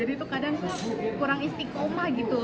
jadi itu kadang kurang istikomah gitu